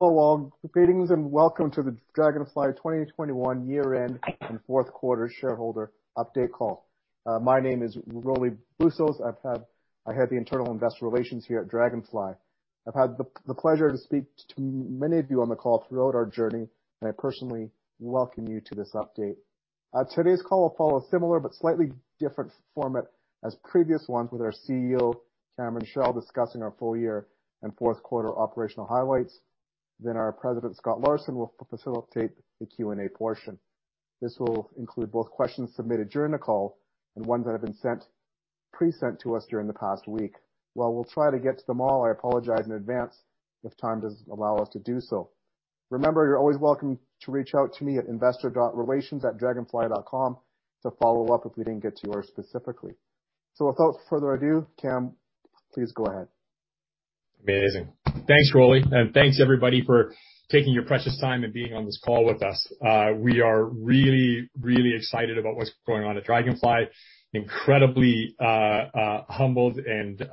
Hello, all. Greetings, and welcome to the Draganfly 2021 year-end and fourth quarter shareholder update call. My name is Rolly Bustos. I head the internal investor relations here at Draganfly. I've had the pleasure to speak to many of you on the call throughout our journey, and I personally welcome you to this update. Today's call will follow a similar but slightly different format as previous ones with our CEO, Cameron Chell, discussing our full year and fourth quarter operational highlights. Then our president, Scott Larson, will facilitate the Q&A portion. This will include both questions submitted during the call and ones that have been sent, pre-sent to us during the past week. While we'll try to get to them all, I apologize in advance if time doesn't allow us to do so. Remember, you're always welcome to reach out to me at investor.relations@draganfly.com to follow up if we didn't get to yours specifically. So without further ado, Cam, please go ahead. Amazing. Thanks, Rolly, and thanks, everybody, for taking your precious time and being on this call with us. We are really, really excited about what's going on at Draganfly. Incredibly, humbled and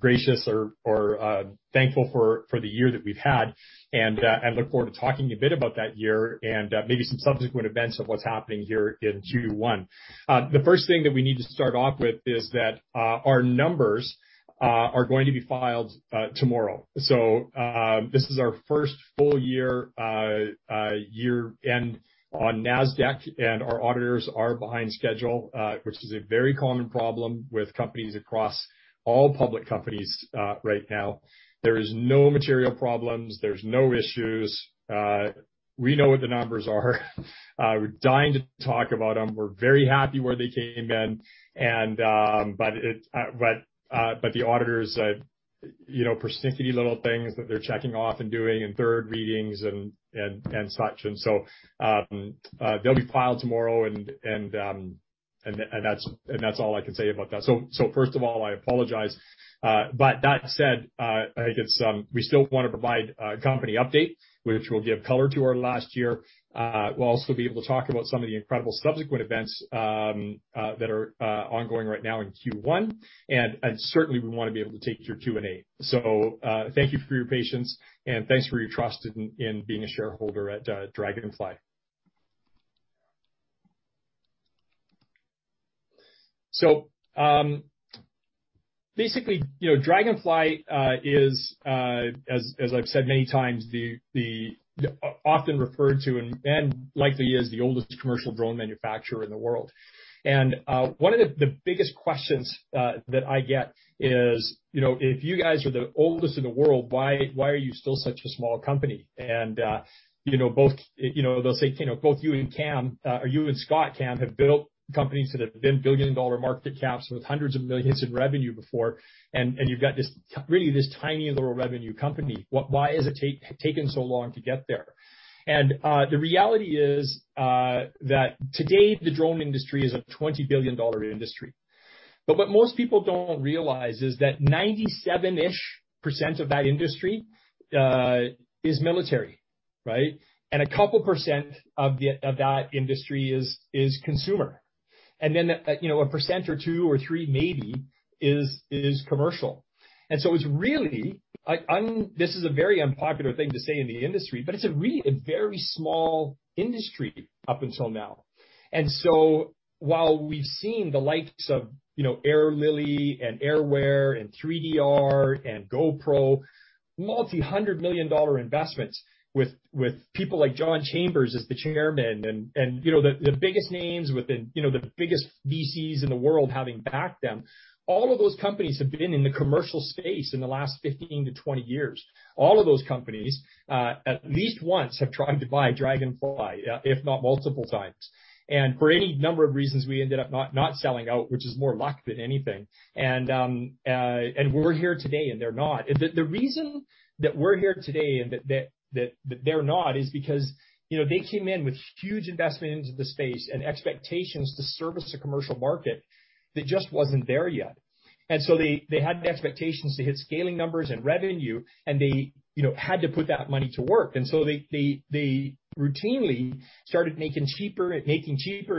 gracious or thankful for the year that we've had, and look forward to talking a bit about that year and maybe some subsequent events of what's happening here in Q1. The first thing that we need to start off with is that our numbers are going to be filed tomorrow. So, this is our first full year year-end on NASDAQ, and our auditors are behind schedule, which is a very common problem with companies across all public companies right now. There is no material problems. There's no issues. We know what the numbers are. We're dying to talk about them. We're very happy where they came in, but the auditors, you know, persnickety little things that they're checking off and doing, and third readings and such. So they'll be filed tomorrow, and that's all I can say about that. So first of all, I apologize. But that said, I guess we still wanna provide a company update, which will give color to our last year. We'll also be able to talk about some of the incredible subsequent events that are ongoing right now in Q1, and certainly we wanna be able to take your Q&A. So thank you for your patience, and thanks for your trust in being a shareholder at Draganfly. So, basically, you know, Draganfly is, as I've said many times, the often referred to, and likely is the oldest commercial drone manufacturer in the world. And, you know, both, you know, they'll say, "You know, both you and Cam or you and Scott, Cam, have built companies that have been billion-dollar market caps with hundreds of millions in revenue before, and you've got this, really, this tiny little revenue company. What— Why has it taken so long to get there?" And, the reality is, that today, the drone industry is a $20 billion industry. But what most people don't realize is that 97%-ish% of that industry is military, right? And a couple % of that industry is consumer. And then, you know, 1% or 2 or 3 maybe is commercial. And so it's really... This is a very unpopular thing to say in the industry, but it's a really, a very small industry up until now. And so, while we've seen the likes of, you know, Lily and Airware and 3DR and GoPro, $multi-hundred million investments with people like John Chambers as the chairman and, you know, the biggest names with the biggest VCs in the world having backed them, all of those companies have been in the commercial space in the last 15-20 years. All of those companies, at least once, have tried to buy Draganfly, if not multiple times. And for any number of reasons, we ended up not selling out, which is more luck than anything. And we're here today, and they're not. And the reason that we're here today and that they're not is because, you know, they came in with huge investment into the space and expectations to service the commercial market that just wasn't there yet. And so they routinely started making cheaper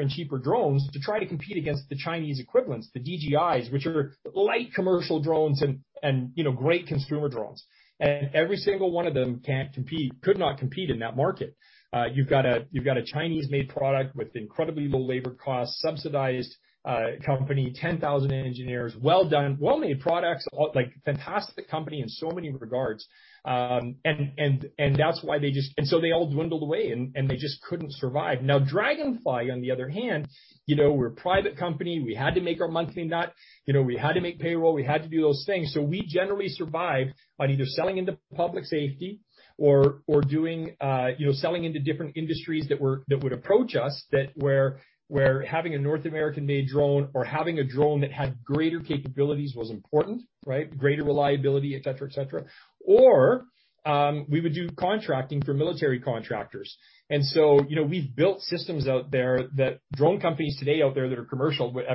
and cheaper drones to try to compete against the Chinese equivalents, the DJIs, which are light commercial drones and, you know, great consumer drones. And every single one of them can't compete, could not compete in that market. You've got a, you've got a Chinese-made product with incredibly low labor costs, subsidized company, 10,000 engineers, well done, well-made products, all, like, fantastic company in so many regards. And that's why they just and so they all dwindled away, and they just couldn't survive. Now, Draganfly, on the other hand, you know, we're a private company. We had to make our monthly nut. You know, we had to make payroll, we had to do those things. So we generally survived on either selling into public safety or doing, you know, selling into different industries that would approach us, that where having a North American-made drone or having a drone that had greater capabilities was important, right? Greater reliability, et cetera, et cetera. Or, we would do contracting for military contractors. So, you know, we've built systems out there that drone companies today out there that are commercial would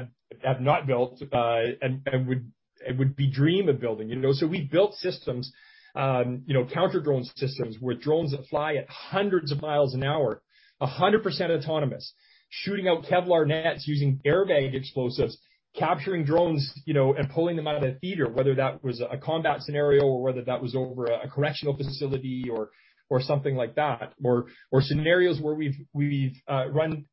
have not built, and would dream of building, you know? So we built systems, you know, counter drone systems with drones that fly at hundreds of miles an hour, 100% autonomous, shooting out Kevlar nets using airbag explosives, capturing drones, you know, and pulling them out of the theater, whether that was a combat scenario or whether that was over a correctional facility or something like that, or scenarios where we've run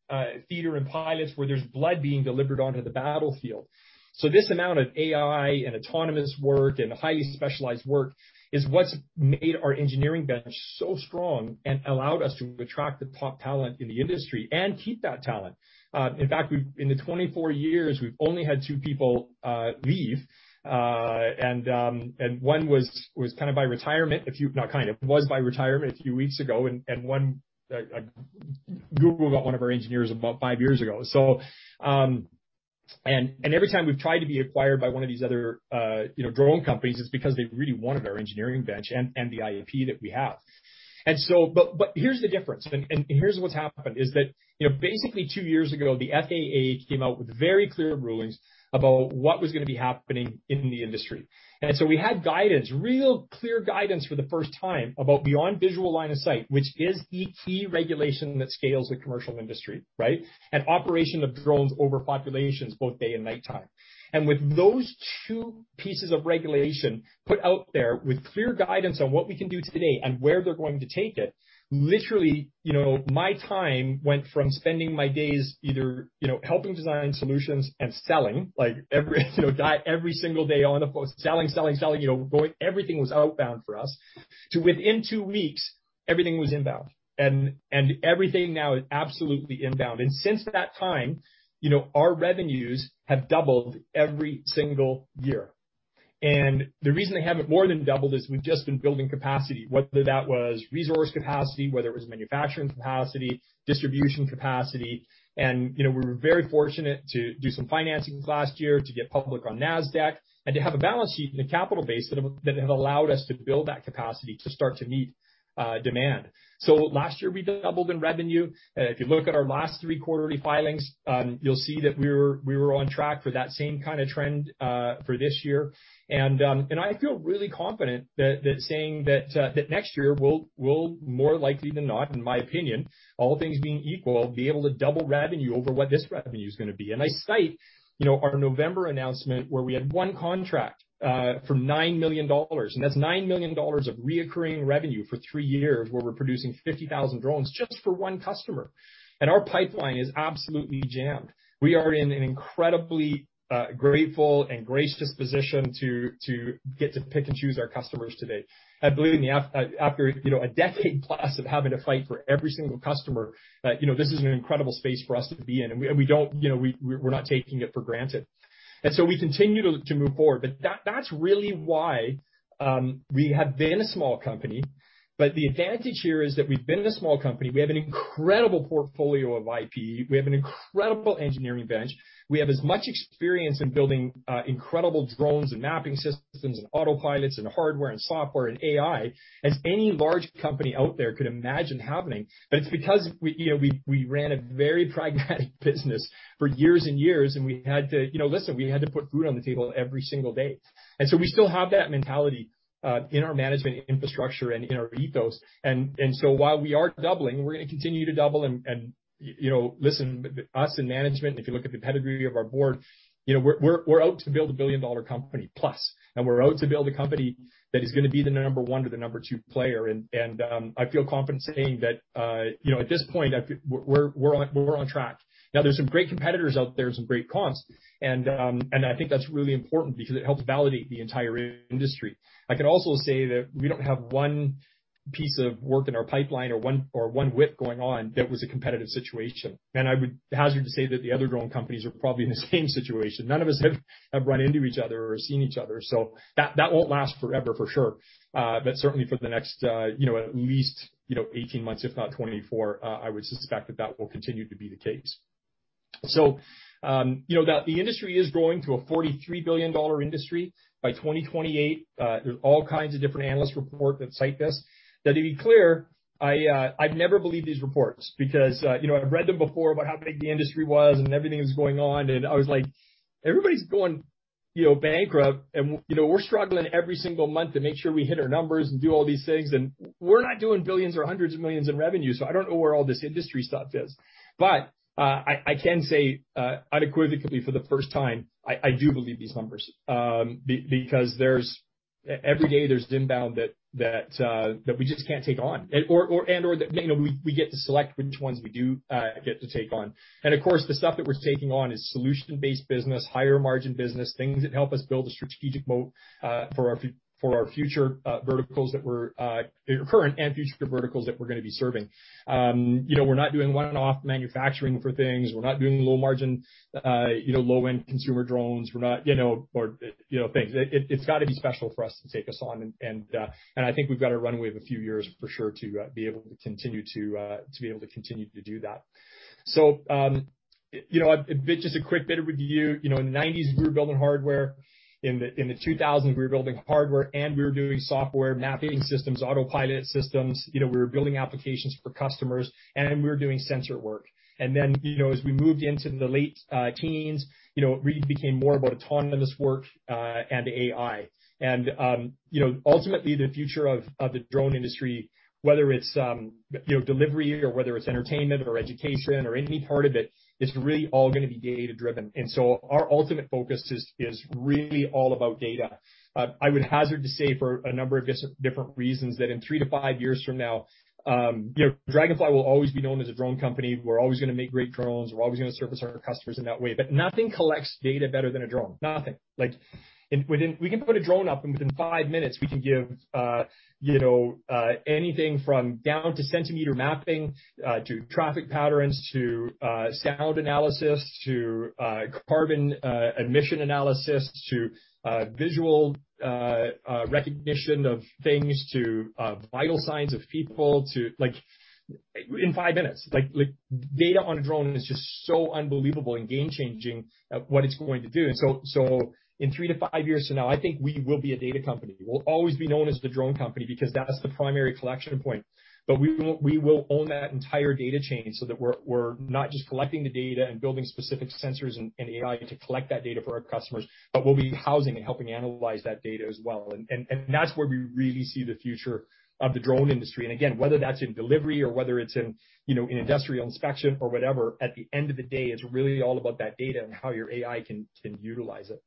theater and pilots where there's blood being delivered onto the battlefield. So this amount of AI and autonomous work and highly specialized work is what's made our engineering bench so strong and allowed us to attract the top talent in the industry and keep that talent. In fact, in the 24 years, we've only had two people leave. And one was by retirement a few weeks ago, and one, Google got one of our engineers about 5 years ago. Every time we've tried to be acquired by one of these other, you know, drone companies, it's because they really wanted our engineering bench and the IP that we have. But here's the difference, and here's what's happened, is that, you know, basically two years ago, the FAA came out with very clear rulings about what was gonna be happening in the industry. We had guidance, real clear guidance for the first time, about beyond visual line of sight, which is the key regulation that scales the commercial industry, right? And operation of drones over populations, both day and nighttime. With those two pieces of regulation put out there with clear guidance on what we can do today and where they're going to take it, literally, you know, my time went from spending my days either, you know, helping design solutions and selling, like, every you know, every single day on the phone, selling, selling, selling, you know, going, everything was outbound for us, to within two weeks, everything was inbound. Everything now is absolutely inbound. Since that time, you know, our revenues have doubled every single year. The reason they haven't more than doubled is we've just been building capacity, whether that was resource capacity, whether it was manufacturing capacity, distribution capacity. You know, we were very fortunate to do some financing last year to get public on NASDAQ, and to have a balance sheet and a capital base that have, that have allowed us to build that capacity to start to meet demand. So last year, we doubled in revenue. If you look at our last three quarterly filings, you'll see that we were, we were on track for that same kind of trend for this year. I feel really confident that saying that next year, we'll more likely than not, in my opinion, all things being equal, be able to double revenue over what this revenue is gonna be. And I cite, you know, our November announcement, where we had one contract for $9 million, and that's $9 million of recurring revenue for three years, where we're producing 50,000 drones just for one customer. And our pipeline is absolutely jammed. We are in an incredibly grateful and gracious position to get to pick and choose our customers today. I believe in the after, you know, a decade plus of having to fight for every single customer, you know, this is an incredible space for us to be in, and we, we don't, you know, we, we're not taking it for granted. And so we continue to move forward. But that, that's really why we have been a small company. But the advantage here is that we've been a small company, we have an incredible portfolio of IP, we have an incredible engineering bench. We have as much experience in building incredible drones and mapping systems and autopilots and hardware and software and AI, as any large company out there could imagine happening. But it's because we, you know, we ran a very pragmatic business for years and years, and we had to, you know, listen, we had to put food on the table every single day. And so we still have that mentality in our management infrastructure and in our ethos. So while we are doubling, we're gonna continue to double and, you know, listen, us and management, if you look at the pedigree of our board, you know, we're out to build a billion-dollar company plus, and we're out to build a company that is gonna be the number one or the number two player. And I feel confident saying that, you know, at this point, we're on track. Now, there's some great competitors out there, some great companies, and I think that's really important because it helps validate the entire industry. I can also say that we don't have one piece of work in our pipeline or one, or one WIP going on that was a competitive situation. And I would hazard to say that the other drone companies are probably in the same situation. None of us have run into each other or seen each other, so that won't last forever, for sure. But certainly for the next, you know, at least, you know, 18 months, if not 24, I would suspect that that will continue to be the case. So, you know, the industry is growing to a $43 billion industry by 2028. There's all kinds of different analyst reports that cite this. Now, to be clear, I've never believed these reports because, you know, I've read them before about how big the industry was and everything that's going on, and I was like, everybody's going, you know, bankrupt, and, you know, we're struggling every single month to make sure we hit our numbers and do all these things, and we're not doing billions or hundreds of millions in revenue, so I don't know where all this industry stuff is. But I can say unequivocally for the first time, I do believe these numbers, because every day there's inbound that we just can't take on. And or that, you know, we get to select which ones we do, get to take on. Of course, the stuff that we're taking on is solution-based business, higher margin business, things that help us build a strategic moat for our current and future verticals that we're gonna be serving. You know, we're not doing one-off manufacturing for things. We're not doing low margin, you know, low-end consumer drones. We're not, you know, or, you know, things. It's gotta be special for us to take on. And I think we've got a runway of a few years for sure to be able to continue to do that. So, you know, a bit, just a quick bit of review. You know, in the 1990s, we were building hardware. In the 2000s, we were building hardware, and we were doing software, mapping systems, autopilot systems. You know, we were building applications for customers, and we were doing sensor work. And then, you know, as we moved into the late teens, you know, it really became more about autonomous work and AI. And you know, ultimately, the future of the drone industry, whether it's you know, delivery or whether it's entertainment or education or any part of it, it's really all gonna be data-driven. And so our ultimate focus is really all about data. I would hazard to say, for a number of different reasons, that in 3-5 years from now, you know, Draganfly will always be known as a drone company. We're always gonna make great drones. We're always gonna service our customers in that way, but nothing collects data better than a drone, nothing. Like, and we can put a drone up, and within five minutes, we can give, you know, anything from down to centimeter mapping, to traffic patterns, to, sound analysis, to, carbon, emission analysis, to, visual, recognition of things to, vital signs of people, to, like, in five minutes. Like, like, data on a drone is just so unbelievable and game-changing at what it's going to do. And so, so in three to five years from now, I think we will be a data company. We'll always be known as the drone company because that's the primary collection point. But we will own that entire data chain so that we're not just collecting the data and building specific sensors and AI to collect that data for our customers, but we'll be housing and helping analyze that data as well. And that's where we really see the future of the drone industry. And again, whether that's in delivery or whether it's in, you know, in industrial inspection or whatever, at the end of the day, it's really all about that data and how your AI can utilize it.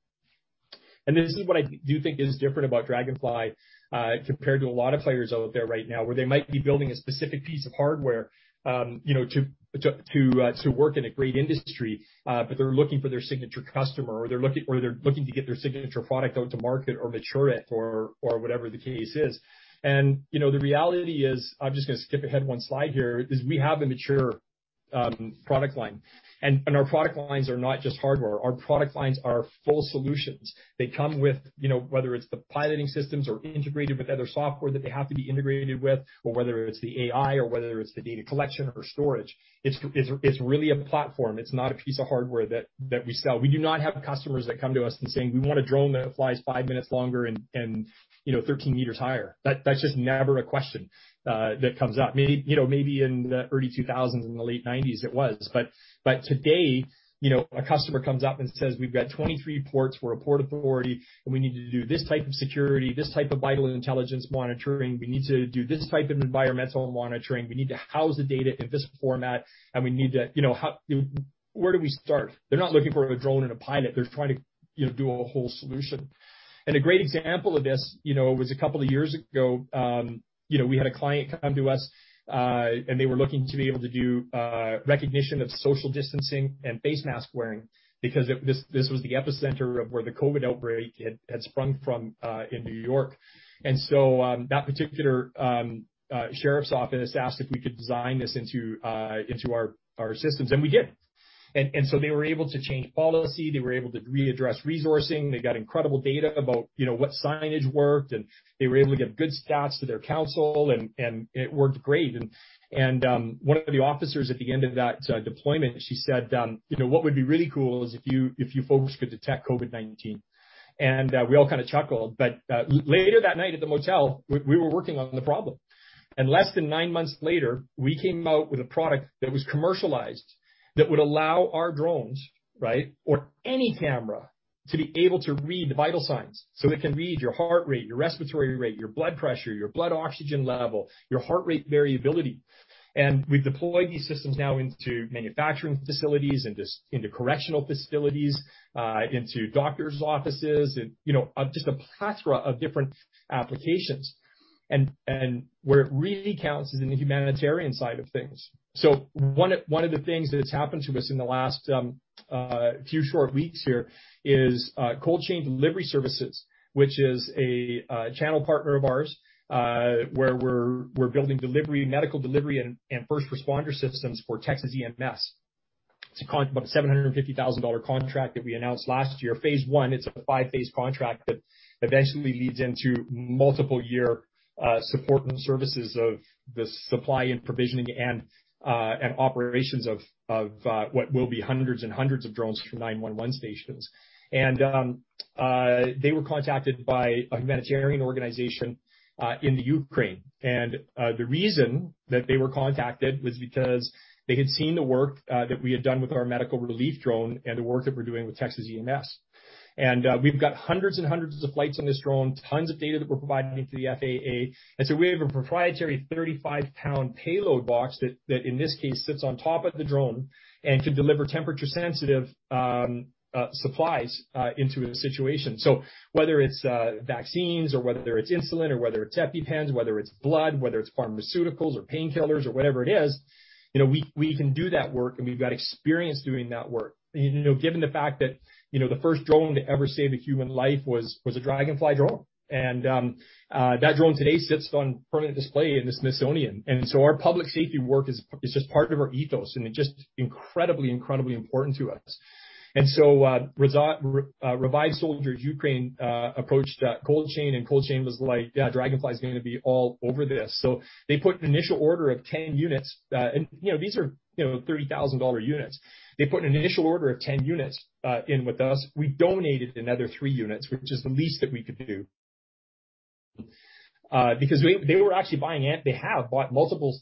This is what I do think is different about Draganfly, compared to a lot of players out there right now, where they might be building a specific piece of hardware, you know, to work in a great industry, but they're looking for their signature customer, or they're looking to get their signature product out to market or mature it or whatever the case is. You know, the reality is, I'm just gonna skip ahead one slide here, is we have a mature product line. Our product lines are not just hardware. Our product lines are full solutions. They come with, you know, whether it's the piloting systems or integrated with other software that they have to be integrated with, or whether it's the AI, or whether it's the data collection or storage, it's really a platform. It's not a piece of hardware that we sell. We do not have customers that come to us and saying, "We want a drone that flies 5 minutes longer and, you know, 13 meters higher." That's just never a question that comes up. You know, maybe in the early 2000s, and the late 1990s it was, but today, you know, a customer comes up and says: We've got 23 ports. We're a port authority, and we need to do this type of security, this type of vital intelligence monitoring. We need to do this type of environmental monitoring. We need to house the data in this format, and we need to... You know, where do we start? They're not looking for a drone and a pilot. They're trying to, you know, do a whole solution. And a great example of this, you know, was a couple of years ago, you know, we had a client come to us, and they were looking to be able to do recognition of social distancing and face mask wearing because this was the epicenter of where the COVID outbreak had sprung from in New York. And so that particular sheriff's office asked if we could design this into our systems, and we did. And so they were able to change policy. They were able to readdress resourcing. They got incredible data about, you know, what signage worked, and they were able to give good stats to their council, and one of the officers at the end of that deployment, she said, "You know, what would be really cool is if you, if you folks could detect COVID-19." And we all kind of chuckled, but later that night at the motel, we were working on the problem. And less than nine months later, we came out with a product that was commercialized, that would allow our drones, right, or any camera, to be able to read vital signs. So it can read your heart rate, your respiratory rate, your blood pressure, your blood oxygen level, your heart rate variability. And we've deployed these systems now into manufacturing facilities, into correctional facilities, into doctor's offices, and, you know, just a plethora of different applications. And where it really counts is in the humanitarian side of things. So one of the things that has happened to us in the last few short weeks here is Coldchain Delivery Systems, which is a channel partner of ours, where we're building delivery, medical delivery and first responder systems for Texas EMS. It's a contract about a $750,000 contract that we announced last year. Phase one, it's a five-phase contract that eventually leads into multiple year support and services of the supply and provisioning and operations of what will be hundreds and hundreds of drones for 911 stations. They were contacted by a humanitarian organization in the Ukraine. The reason that they were contacted was because they had seen the work that we had done with our medical relief drone and the work that we're doing with Texas EMS. We've got hundreds and hundreds of flights on this drone, tons of data that we're providing to the FAA. We have a proprietary 35-pound payload box that, in this case, sits on top of the drone and can deliver temperature-sensitive supplies into a situation. So whether it's vaccines, or whether it's insulin, or whether it's EpiPens, whether it's blood, whether it's pharmaceuticals or painkillers or whatever it is, you know, we can do that work, and we've got experience doing that work. You know, given the fact that, you know, the first drone to ever save a human life was a Draganfly drone, and that drone today sits on permanent display in the Smithsonian. And so our public safety work is just part of our ethos, and it's just incredibly, incredibly important to us. And so, Revived Soldiers Ukraine approached Coldchain, and Coldchain was like, "Yeah, Draganfly is gonna be all over this." So they put an initial order of 10 units. And, you know, these are, you know, $30,000 units. They put an initial order of 10 units in with us. We donated another 3 units, which is the least that we could do, because they were actually buying. They have bought multiple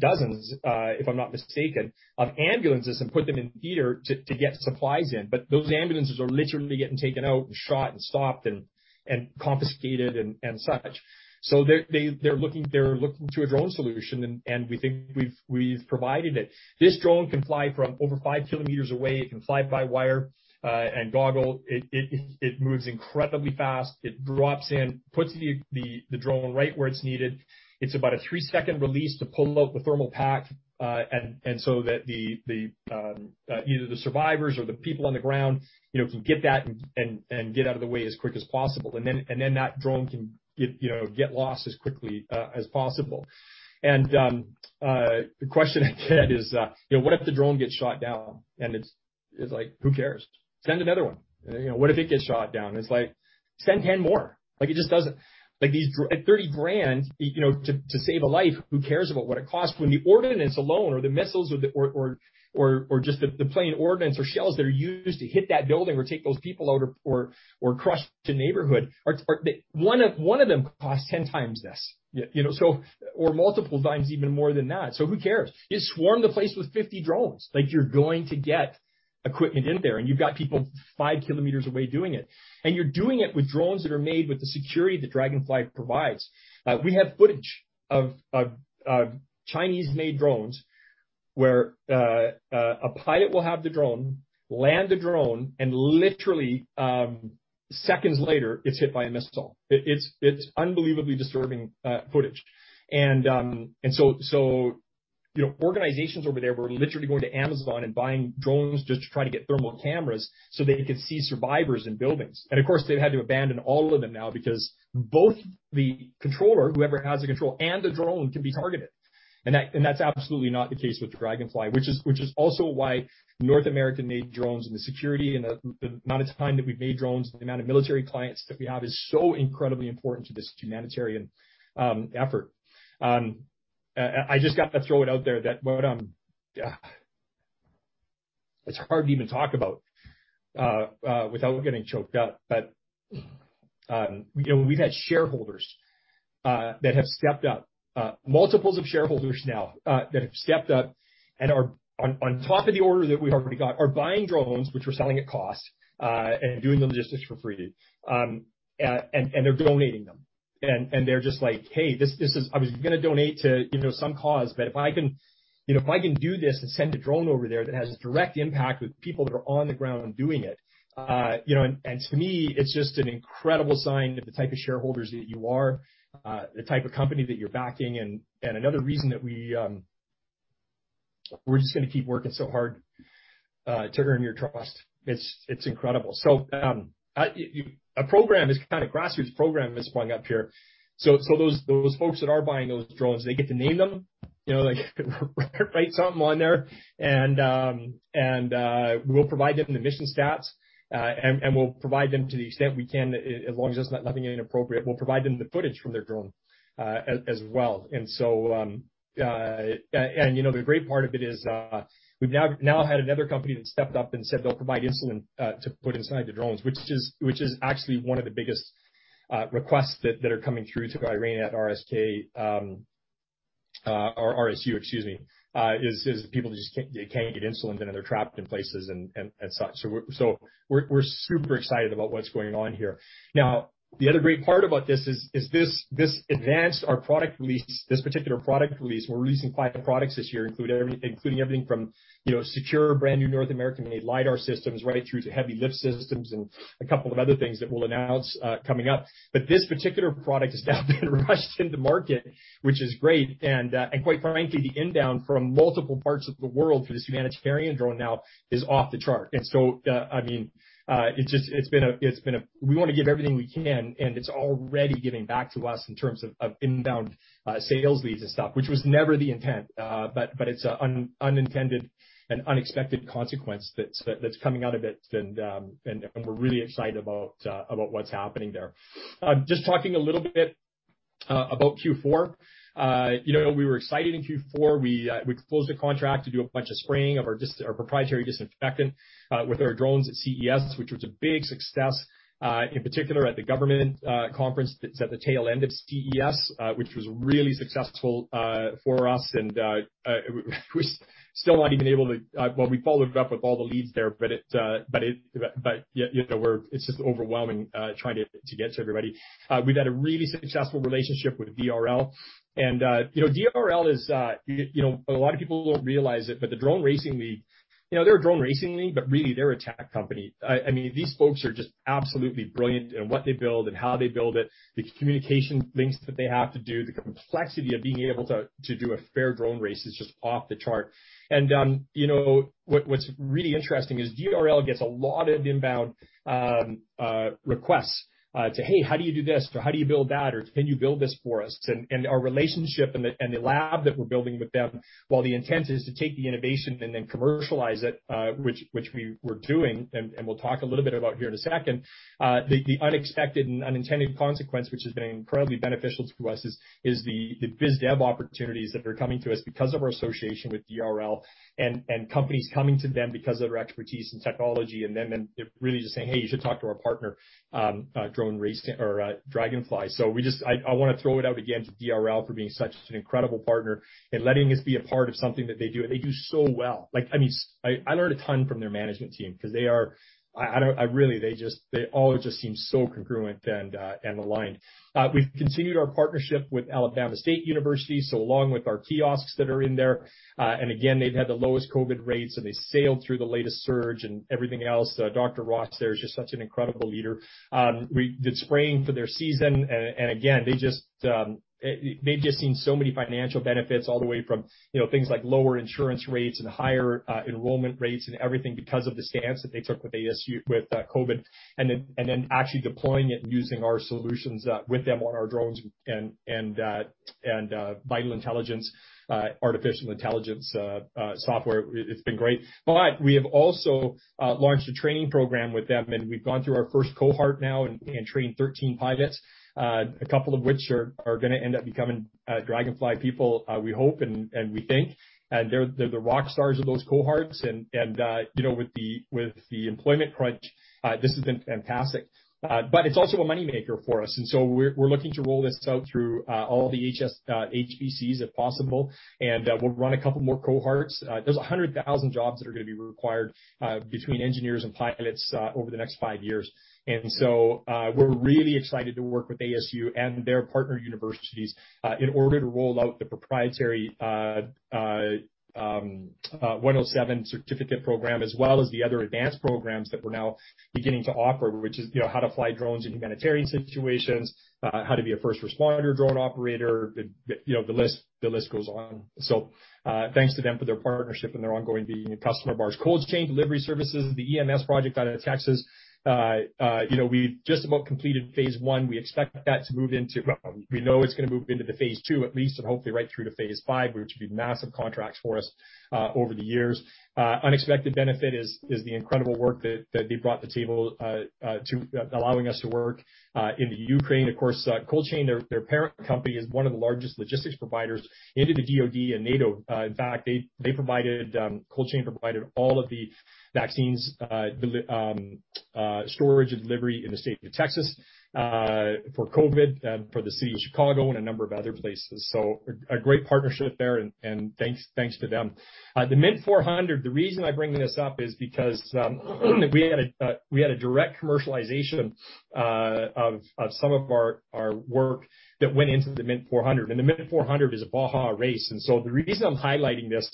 dozens, if I'm not mistaken, of ambulances and put them in theater to get supplies in, but those ambulances are literally getting taken out and shot and stopped and confiscated and such. So they're looking to a drone solution, and we think we've provided it. This drone can fly from over 5 kilometers away. It can fly by wire and goggles. It moves incredibly fast. It drops in, puts the drone right where it's needed. It's about a three-second release to pull out the thermal pack, and so that the survivors or the people on the ground, you know, can get that and get out of the way as quick as possible. And then that drone can get, you know, get lost as quickly as possible. The question I get is, you know, what if the drone gets shot down? And it's like, who cares? Send another one. You know, what if it gets shot down? It's like, send 10 more. Like, it just doesn't... Like, these drones at $30,000, you know, to save a life, who cares about what it costs, when the ordnance alone or the missiles or just the plain ordnance or shells that are used to hit that building or take those people out or crush the neighborhood are. One of them costs 10 times this, you know, so, or multiple times even more than that, so who cares? You swarm the place with 50 drones, like, you're going to get equipment in there, and you've got people 5 kilometers away doing it, and you're doing it with drones that are made with the security that Draganfly provides. We have footage of Chinese-made drones, where a pilot will have the drone land the drone, and literally seconds later, it's hit by a missile. It's unbelievably disturbing footage. And so, you know, organizations over there were literally going to Amazon and buying drones just to try to get thermal cameras so they could see survivors in buildings. And, of course, they've had to abandon all of them now because both the controller, whoever has the control, and the drone can be targeted. And that's absolutely not the case with the Draganfly, which is also why North American-made drones and the security and the amount of time that we've made drones, the amount of military clients that we have, is so incredibly important to this humanitarian effort. I just got to throw it out there that... It's hard to even talk about without getting choked up. But you know, we've had shareholders that have stepped up, multiples of shareholders now that have stepped up and are on top of the order that we've already got, are buying drones, which we're selling at cost and doing the logistics for free. And they're donating them. And they're just like, "Hey, this is—I was gonna donate to, you know, some cause, but if I can, you know, if I can do this and send a drone over there, that has a direct impact with people that are on the ground doing it," you know, and to me, it's just an incredible sign of the type of shareholders that you are, the type of company that you're backing, and another reason that we, we're just gonna keep working so hard to earn your trust. It's incredible. So, a program, this kind of grassroots program is sprung up here. So those folks that are buying those drones, they get to name them, you know, like, write something on there, and we'll provide them the mission stats, and we'll provide them to the extent we can, as long as it's nothing inappropriate, we'll provide them the footage from their drone, as well. And so, you know, the great part of it is, we've now had another company that stepped up and said they'll provide insulin to put inside the drones, which is actually one of the biggest requests that are coming through to Irene at RSK or RSU, excuse me, is people just can't, they can't get insulin, and they're trapped in places and such. So we're super excited about what's going on here. Now, the other great part about this is this advanced our product release, this particular product release. We're releasing five products this year, including everything from, you know, secure, brand-new North American-made Lidar systems, right through to heavy lift systems and a couple of other things that we'll announce coming up. But this particular product has now been rushed into market, which is great, and quite frankly, the inbound from multiple parts of the world for this humanitarian drone now is off the chart. And so, I mean, it's just, it's been a... We want to give everything we can, and it's already giving back to us in terms of inbound sales leads and stuff, which was never the intent, but it's an unintended and unexpected consequence that's coming out of it, and we're really excited about what's happening there. Just talking a little bit about Q4, you know, we were excited in Q4. We closed a contract to do a bunch of spraying of our proprietary disinfectant with our drones at CES, which was a big success, in particular at the government conference that's at the tail end of CES, which was really successful for us. And we're still not even able to... Well, we followed up with all the leads there, but yeah, you know, we're—it's just overwhelming trying to get to everybody. We've had a really successful relationship with DRL. And, you know, DRL is, you know, a lot of people don't realize it, but the Drone Racing League, you know, they're a Drone Racing League, but really, they're a tech company. I mean, these folks are just absolutely brilliant in what they build and how they build it, the communication links that they have to do, the complexity of being able to do a fair drone race is just off the chart. You know, what's really interesting is DRL gets a lot of inbound requests to, "Hey, how do you do this?" Or, "How do you build that?" Or, "Can you build this for us?" And our relationship and the lab that we're building with them, while the intent is to take the innovation and then commercialize it, which we were doing, and we'll talk a little bit about here in a second, the unexpected and unintended consequence, which has been incredibly beneficial to us, is the biz dev opportunities that are coming to us because of our association with DRL, and companies coming to them because of their expertise in technology, and then they're really just saying, "Hey, you should talk to our partner, drone racing or, Draganfly." So we just, I wanna throw it out again to DRL for being such an incredible partner and letting us be a part of something that they do, and they do so well. Like, I mean, I learned a ton from their management team because they are... I don't, I really, they just, they all just seem so congruent and, and aligned. We've continued our partnership with Alabama State University, so along with our kiosks that are in there, and again, they've had the lowest COVID rates, and they sailed through the latest surge and everything else. Dr. Ross there is just such an incredible leader. We did spraying for their season, and again, they just, they've just seen so many financial benefits all the way from, you know, things like lower insurance rates and higher enrollment rates and everything because of the stance that they took with ASU, with COVID, and then actually deploying it and using our solutions with them on our drones and Vital Intelligence artificial intelligence software. It's been great. But we have also launched a training program with them, and we've gone through our first cohort now and trained 13 pilots, a couple of which are gonna end up becoming Draganfly people, we hope and we think. And they're the rock stars of those cohorts. You know, with the employment crunch, this has been fantastic. But it's also a money maker for us, and so we're looking to roll this out through all the HBCUs, if possible, and we'll run a couple more cohorts. There's 100,000 jobs that are gonna be required between engineers and pilots over the next five years. And so we're really excited to work with ASU and their partner universities in order to roll out the proprietary 107 certificate program, as well as the other advanced programs that we're now beginning to offer, which is, you know, how to fly drones in humanitarian situations, how to be a first responder drone operator. You know, the list goes on. So, thanks to them for their partnership and their ongoing business. Customer VARs, Coldchain Delivery Services, the EMS project out of Texas, you know, we've just about completed phase one. We expect that to move into... We know it's gonna move into phase two at least, and hopefully right through to phase five, which would be massive contracts for us over the years. Unexpected benefit is the incredible work that they brought to the table to allowing us to work in the Ukraine. Of course, Coldchain, their parent company, is one of the largest logistics providers into the DoD and NATO. In fact, they, they provided, Coldchain provided all of the vaccines, delivery, storage and delivery in the state of Texas, for COVID, for the city of Chicago and a number of other places. So a great partnership there, and thanks to them. The Mint 400, the reason I bring this up is because, we had a direct commercialization of some of our work that went into the Mint 400. The Mint 400 is a Baja race, and so the reason I'm highlighting this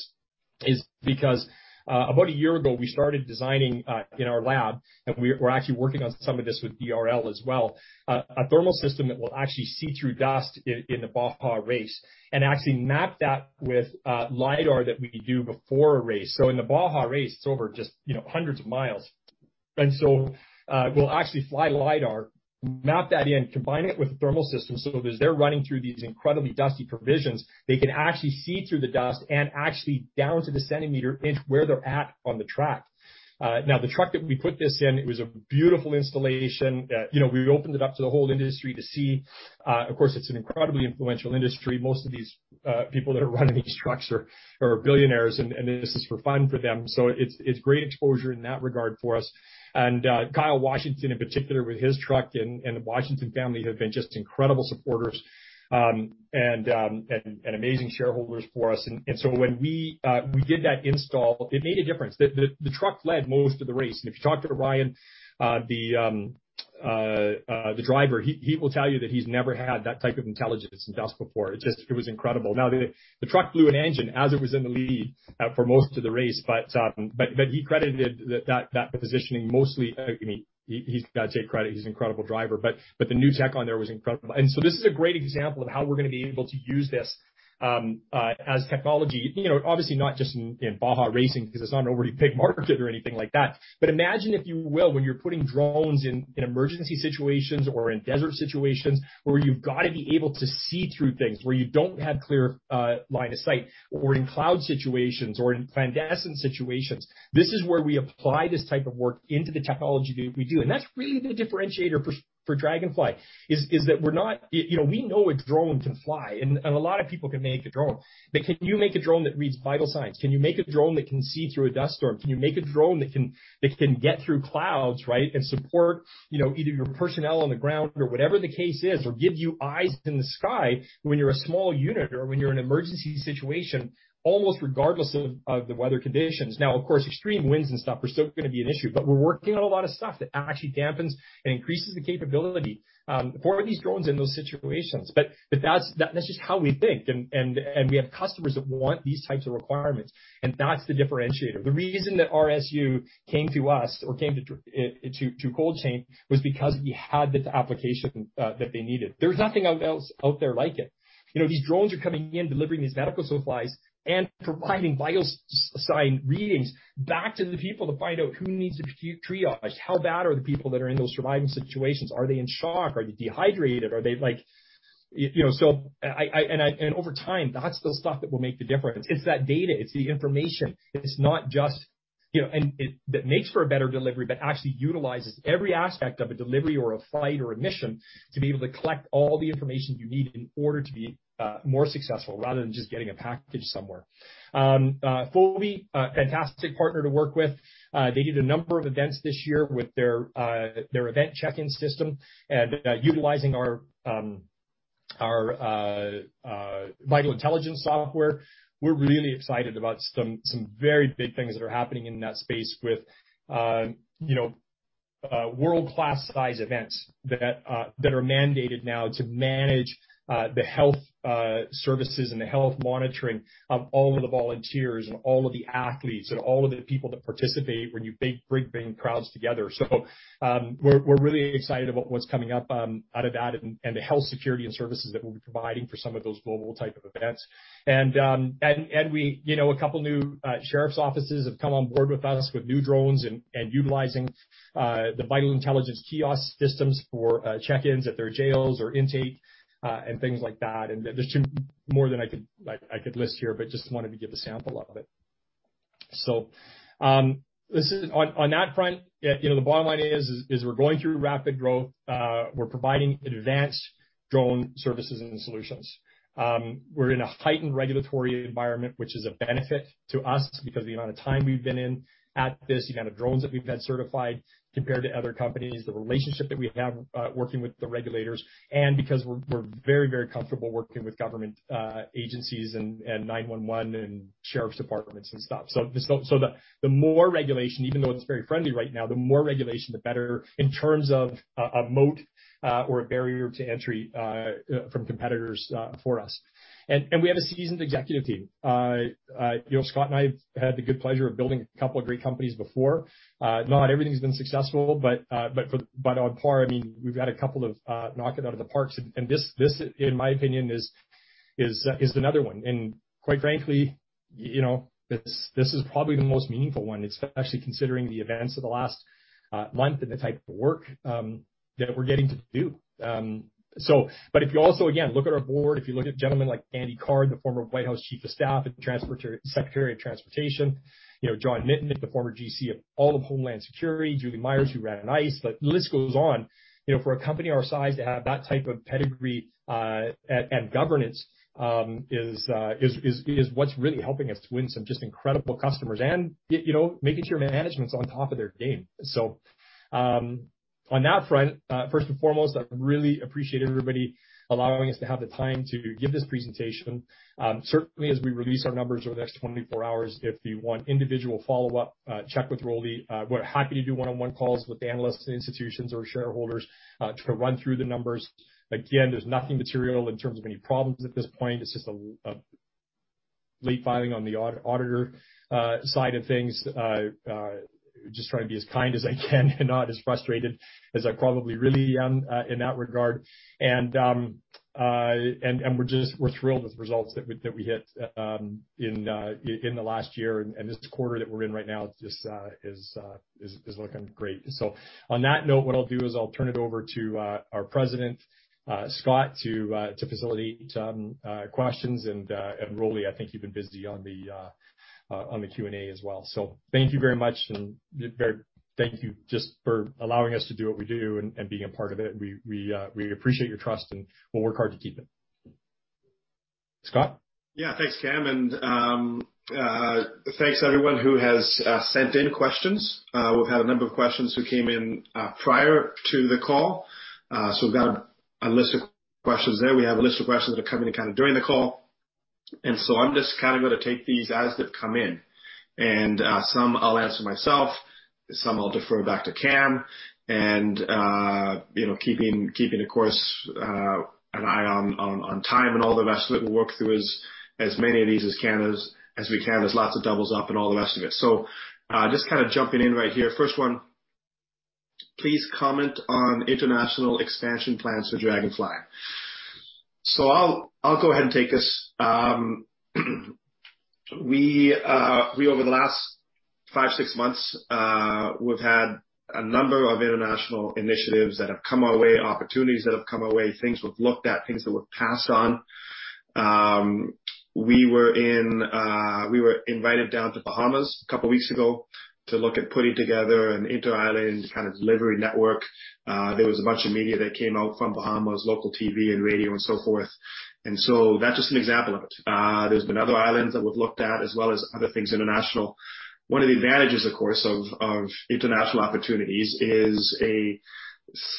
is because, about a year ago, we started designing in our lab, and we're actually working on some of this with DRL as well, a thermal system that will actually see through dust in the Baja race and actually map that with Lidar that we do before a race. So in the Baja race, it's over just, you know, hundreds of miles, and so, we'll actually fly Lidar, map that in, combine it with a thermal system, so as they're running through these incredibly dusty provisions, they can actually see through the dust and actually down to the centimeter inch where they're at on the track. Now, the truck that we put this in, it was a beautiful installation. You know, we opened it up to the whole industry to see. Of course, it's an incredibly influential industry. Most of these people that are running these trucks are billionaires, and this is for fun for them. So it's great exposure in that regard for us. And Kyle Washington, in particular, with his truck and the Washington family, have been just incredible supporters and amazing shareholders for us. And so when we did that install, it made a difference. The truck led most of the race, and if you talk to Ryan, the driver, he will tell you that he's never had that type of intelligence in dust before. It just was incredible. Now, the truck blew an engine as it was in the lead for most of the race, but he credited that positioning mostly. I mean, he, he's got to take credit, he's an incredible driver, but the new tech on there was incredible. And so this is a great example of how we're gonna be able to use this as technology, you know, obviously not just in Baja racing, because it's not an already big market or anything like that. But imagine, if you will, when you're putting drones in emergency situations or in desert situations, where you've gotta be able to see through things, where you don't have clear line of sight, or in cloud situations, or in clandestine situations, this is where we apply this type of work into the technology that we do. That's really the differentiator for Draganfly, is that we're not—you know, we know a drone can fly, and a lot of people can make a drone. But can you make a drone that reads vital signs? Can you make a drone that can see through a dust storm? Can you make a drone that can get through clouds, right, and support, you know, either your personnel on the ground or whatever the case is, or give you eyes in the sky when you're a small unit or when you're an emergency situation, almost regardless of the weather conditions? Now, of course, extreme winds and stuff are still gonna be an issue, but we're working on a lot of stuff that actually dampens and increases the capability for these drones in those situations. But that's just how we think, and we have customers that want these types of requirements, and that's the differentiator. The reason that RSU came to us, or came to Coldchain, was because we had this application that they needed. There's nothing else out there like it. You know, these drones are coming in, delivering these medical supplies, and providing vital sign readings back to the people to find out who needs to be triaged. How bad are the people that are in those surviving situations? Are they in shock? Are they dehydrated? Are they like... you know, so, and over time, that's the stuff that will make the difference. It's that data, it's the information. It's not just, you know, that makes for a better delivery, but actually utilizes every aspect of a delivery or a flight or a mission to be able to collect all the information you need in order to be more successful, rather than just getting a package somewhere. Fobi, a fantastic partner to work with. They did a number of events this year with their event check-in system and utilizing our Vital Intelligence software. We're really excited about some very big things that are happening in that space with, you know, world-class size events that are mandated now to manage the health services and the health monitoring of all of the volunteers and all of the athletes and all of the people that participate when you bring big crowds together. So, we're really excited about what's coming up out of that, and the health security and services that we'll be providing for some of those global type of events. And we, you know, a couple new sheriff's offices have come on board with us with new drones and utilizing the Vital Intelligence kiosk systems for check-ins at their jails or intake, and things like that. And there's just more than I could list here, but just wanted to give a sample of it. So, this is. On that front, you know, the bottom line is we're going through rapid growth. We're providing advanced drone services and solutions. We're in a heightened regulatory environment, which is a benefit to us because the amount of time we've been in at this, the amount of drones that we've had certified compared to other companies, the relationship that we have, working with the regulators, and because we're very, very comfortable working with government agencies and 911 and sheriff's departments and stuff. So the more regulation, even though it's very friendly right now, the more regulation, the better in terms of a moat or a barrier to entry from competitors for us. We have a seasoned executive team. You know, Scott and I have had the good pleasure of building a couple of great companies before. Not everything's been successful, but on par, I mean, we've had a couple of knock it out of the parks. And this, in my opinion, is another one. And quite frankly, you know, this is probably the most meaningful one, especially considering the events of the last month and the type of work that we're getting to do. So but if you also, again, look at our board, if you look at gentlemen like Andy Card, the former White House Chief of Staff, Secretary of Transportation, you know, John Mitnick, the former GC of all of Homeland Security, Julie Myers, who ran ICE, the list goes on. You know, for a company our size to have that type of pedigree and governance is what's really helping us to win some just incredible customers and, you know, making sure management's on top of their game. So, on that front, first and foremost, I really appreciate everybody allowing us to have the time to give this presentation. Certainly as we release our numbers over the next 24 hours, if you want individual follow-up, check with Rolly. We're happy to do one-on-one calls with analysts and institutions or shareholders to run through the numbers. Again, there's nothing material in terms of any problems at this point. It's just a late filing on the auditor side of things. Just trying to be as kind as I can and not as frustrated as I probably really am in that regard. And we're just thrilled with the results that we hit in the last year, and this quarter that we're in right now just is looking great. So on that note, what I'll do is I'll turn it over to our president, Scott, to facilitate questions, and Rolly, I think you've been busy on the Q&A as well. So thank you very much, and very thank you just for allowing us to do what we do and being a part of it. We appreciate your trust, and we'll work hard to keep it. Scott? Yeah. Thanks, Cam, and thanks to everyone who has sent in questions. We've had a number of questions who came in prior to the call, so we've got a list of questions there. We have a list of questions that are coming in kind of during the call. And so I'm just kind of gonna take these as they've come in, and some I'll answer myself, some I'll defer back to Cam, and you know, keeping, of course, an eye on time and all the rest of it. We'll work through as many of these as we can. There's lots of doubles up and all the rest of it. So, just kind of jumping in right here. First one: Please comment on international expansion plans for Draganfly. So I'll go ahead and take this. We over the last 5, 6 months, we've had a number of international initiatives that have come our way, opportunities that have come our way, things we've looked at, things that were passed on. We were invited down to Bahamas a couple weeks ago to look at putting together an inter-island kind of delivery network. There was a bunch of media that came out from Bahamas, local TV and radio and so forth. And so that's just an example of it. There's been other islands that we've looked at, as well as other things international. One of the advantages, of course, of international opportunities is a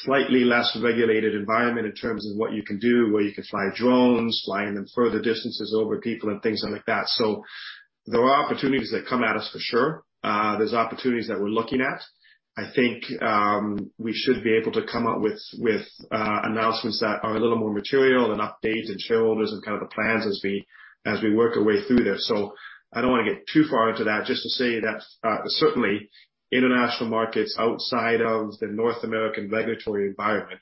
slightly less regulated environment in terms of what you can do, where you can fly drones, flying them further distances over people and things like that. So there are opportunities that come at us for sure. There's opportunities that we're looking at. I think we should be able to come up with with announcements that are a little more material and updates, and shareholders, and kind of the plans as we as we work our way through this. So I don't wanna get too far into that, just to say that certainly international markets outside of the North American regulatory environment,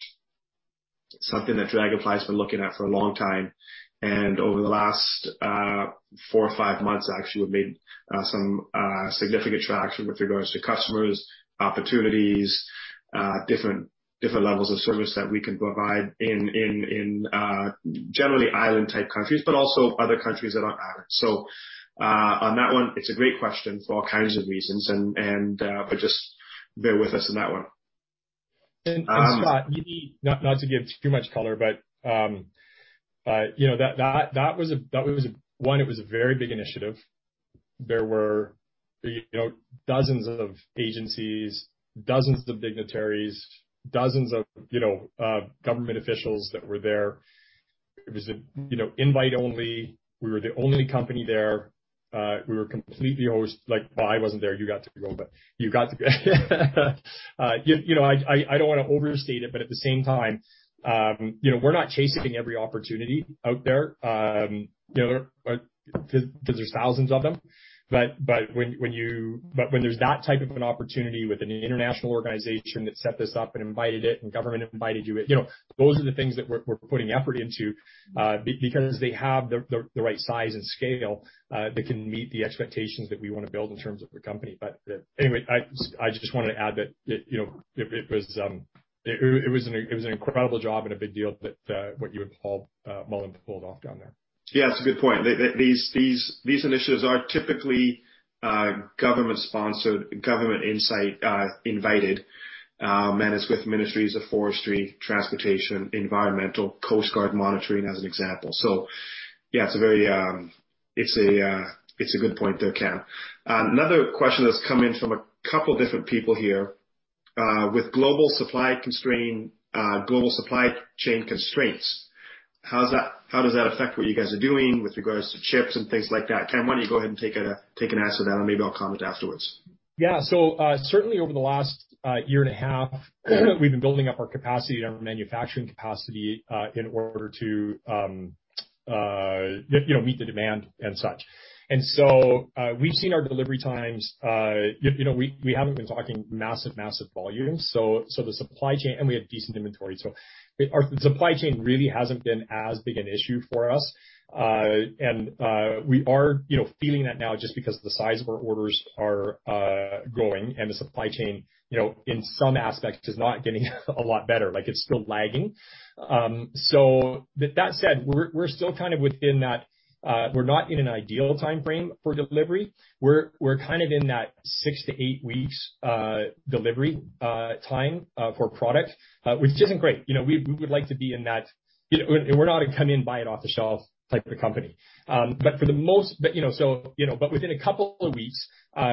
something that Draganfly's been looking at for a long time. Over the last 4 or 5 months, actually, we've made some significant traction with regards to customers, opportunities, different levels of service that we can provide in generally island-type countries, but also other countries that aren't islands. On that one, it's a great question for all kinds of reasons, and but just bear with us on that one. Scott, not to give too much color, but, you know, that was a very big initiative. There were, you know, dozens of agencies, dozens of dignitaries, dozens of, you know, government officials that were there. It was a, you know, invite only. We were the only company there. We were completely always, like, well, I wasn't there. You got to go, but you got to go. You know, I don't wanna overstate it, but at the same time, you know, we're not chasing every opportunity out there, you know, because there's thousands of them. But when there's that type of an opportunity with an international organization that set this up and invited it, and government invited you, you know, those are the things that we're putting effort into, because they have the right size and scale that can meet the expectations that we wanna build in terms of the company. But, anyway, I just wanted to add that it, you know, it was an incredible job and a big deal that what you and Paul Mullen pulled off down there. Yeah, it's a good point. These initiatives are typically government-sponsored, government insight, invited, and it's with ministries of forestry, transportation, environmental, Coast Guard monitoring, as an example. So yeah, it's a very good point there, Cam. Another question that's come in from a couple different people here. With global supply chain constraints, how does that affect what you guys are doing with regards to chips and things like that? Cam, why don't you go ahead and take an answer to that, and maybe I'll comment afterwards. Yeah. So, certainly over the last year and a half, we've been building up our capacity and our manufacturing capacity, in order to, you know, meet the demand and such. And so, we've seen our delivery times... You know, we haven't been talking massive, massive volumes, so the supply chain, and we have decent inventory, so our supply chain really hasn't been as big an issue for us. And, we are, you know, feeling that now just because the size of our orders are growing and the supply chain, you know, in some aspects, is not getting a lot better, like it's still lagging. So with that said, we're still kind of within that, we're not in an ideal timeframe for delivery. We're kind of in that 6-8 weeks delivery time for product, which isn't great. You know, we would like to be in that, you know, we're not a come in, buy it off the shelf type of company. But within a couple of weeks,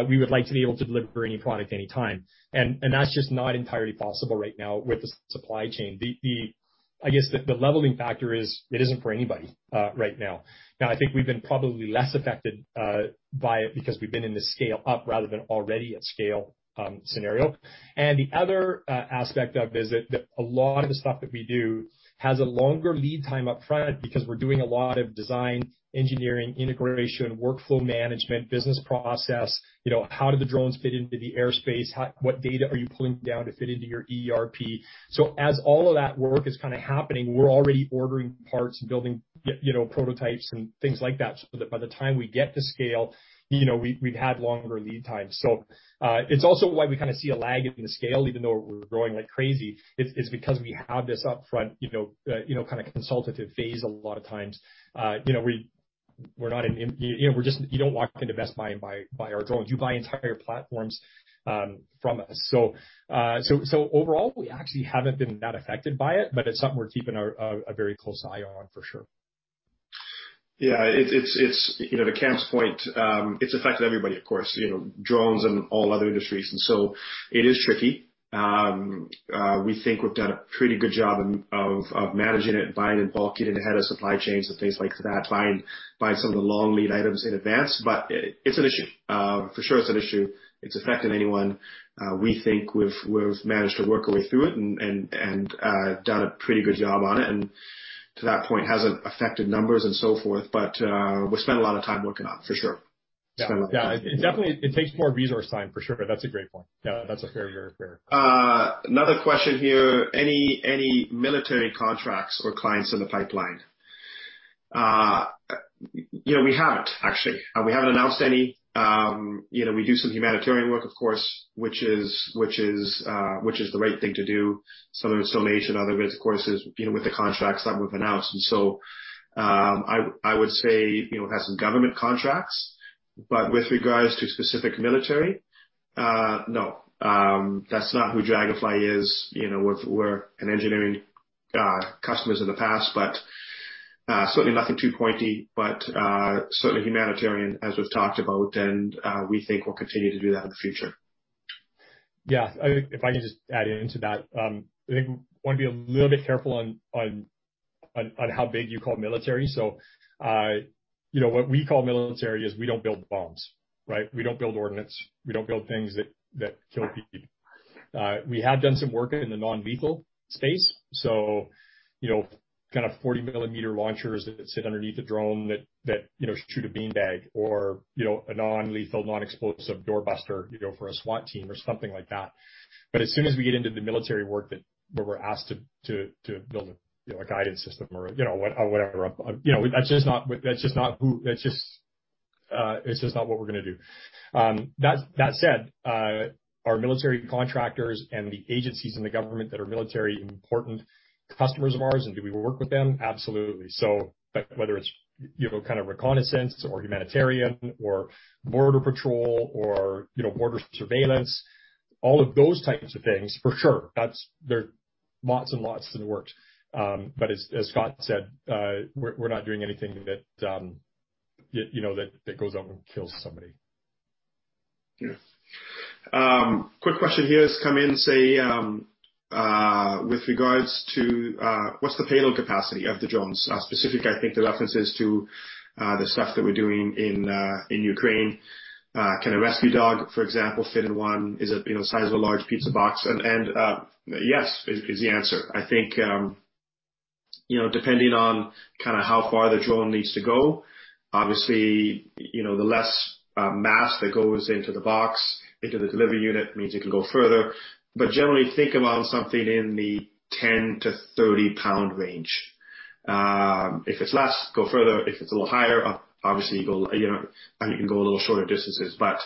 we would like to be able to deliver any product anytime, and that's just not entirely possible right now with the supply chain. I guess the leveling factor is, it isn't for anybody right now. Now, I think we've been probably less affected by it because we've been in the scale up rather than already at scale scenario. The other aspect of it is that a lot of the stuff that we do has a longer lead time up front because we're doing a lot of design, engineering, integration, workflow management, business process. You know, how do the drones fit into the airspace? How, what data are you pulling down to fit into your ERP? So as all of that work is kind of happening, we're already ordering parts and building, you know, prototypes and things like that, so that by the time we get to scale, you know, we, we've had longer lead times. So it's also why we kind of see a lag in the scale, even though we're growing like crazy. It's because we have this upfront, you know, you know, kind of consultative phase a lot of times. You know, we're not in, you know, we're just... You don't walk into Best Buy and buy our drones. You buy entire platforms from us. So, so overall, we actually haven't been that affected by it, but it's something we're keeping a very close eye on, for sure.... Yeah, it's, you know, to Cam's point, it's affected everybody, of course, you know, drones and all other industries, and so it is tricky. We think we've done a pretty good job of managing it, buying in bulk, getting ahead of supply chains and things like that, buying some of the long lead items in advance. But it's an issue. For sure, it's an issue. It's affecting anyone. We think we've managed to work our way through it and done a pretty good job on it, and to that point, hasn't affected numbers and so forth, but we spent a lot of time working on it, for sure. Yeah. Yeah. It definitely, it takes more resource time, for sure. That's a great point. Yeah, that's a fair, fair. Another question here: Any military contracts or clients in the pipeline? You know, we haven't actually. We haven't announced any. You know, we do some humanitarian work, of course, which is the right thing to do. Some of it's donation, other bits, of course, is, you know, with the contracts that we've announced. And so, I would say, you know, have some government contracts, but with regards to specific military, no. That's not who Draganfly is. You know, we're an engineering customers in the past, but certainly nothing too pointy, but certainly humanitarian, as we've talked about, and we think we'll continue to do that in the future. Yeah. I think if I can just add into that, I think wanna be a little bit careful on how big you call military. So, you know, what we call military is we don't build bombs, right? We don't build ordnance. We don't build things that kill people. We have done some work in the non-lethal space, so, you know, kind of 40-millimeter launchers that sit underneath a drone that shoot a beanbag or, you know, a non-lethal, non-explosive doorbuster, you know, for a SWAT team or something like that. But as soon as we get into the military work that, where we're asked to build a, you know, a guidance system or, you know, whatever, you know, that's just not what we're gonna do. That said, our military contractors and the agencies in the government that are military are important customers of ours, and do we work with them? Absolutely. But whether it's, you know, kind of reconnaissance or humanitarian or border patrol or, you know, border surveillance, all of those types of things, for sure, that's... There are lots and lots that it works. But as Scott said, we're not doing anything that, you know, that goes out and kills somebody. Yeah. Quick question here has come in, say, with regards to what's the payload capacity of the drones? I think the reference is to the stuff that we're doing in Ukraine. Can a rescue dog, for example, fit in one? Is it, you know, the size of a large pizza box? And yes is the answer. I think, you know, depending on kinda how far the drone needs to go, obviously, you know, the less mass that goes into the box, into the delivery unit, means it can go further, but generally, think around something in the 10-30-pound range. If it's less, go further. If it's a little higher, obviously, you go, you know, you can go a little shorter distances, but